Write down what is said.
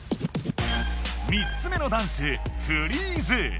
３つ目のダンス「フリーズ」。